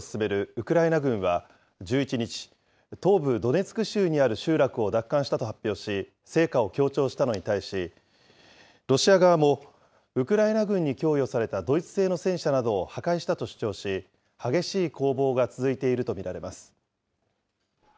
ウクライナ軍は１１日、東部ドネツク州にある集落を奪還したと発表し、成果を強調したのに対し、ロシア側もウクライナ軍に供与されたドイツ製の戦車などを破壊したと主張し、激しい攻防が続いていると見られます。